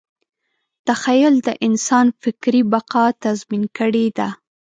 تخیل د انسان فکري بقا تضمین کړې ده.